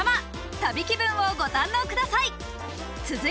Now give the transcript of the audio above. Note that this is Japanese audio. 旅気分をご堪能ください。